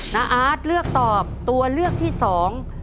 อาร์ตเลือกตอบตัวเลือกที่สอง